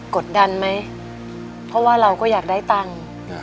กดดันไหมเพราะว่าเราก็อยากได้ตังค์